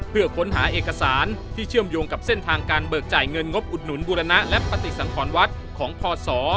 เพื่อค้นหาเอกสารที่เชื่อมโยงกับเส้นทางการเบิกจ่ายเงินงบอุดหนุนบูรณะและปฏิสังขรวัดของพศ